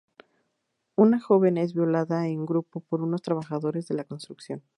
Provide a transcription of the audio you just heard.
Una joven es violada en grupo por unos trabajadores de la construcción.